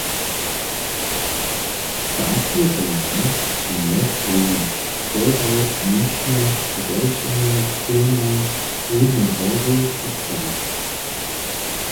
Stacije pola nas su mjez druhim Torgau, Mišnjo, Drježdźany, Pirna, Rudne hory a Plauen.